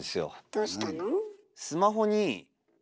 どうしたの？